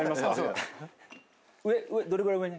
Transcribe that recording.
「どれぐらい上に」